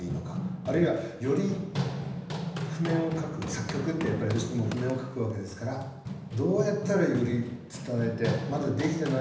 あるいはより譜面を書く作曲ってやっぱりどうしても譜面を書くわけですからどうやったらより伝えてまだできてないことをどう克服するか。